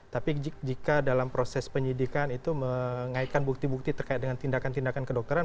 tapi jika dalam proses penyidikan itu mengaitkan bukti bukti terkait dengan tindakan tindakan kedokteran